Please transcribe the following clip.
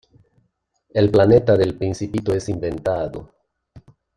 El planeta del Principito es inventado.